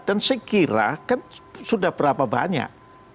dan sekiranya sudah berapa banyak